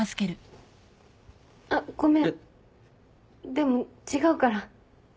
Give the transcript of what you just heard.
でも違うから。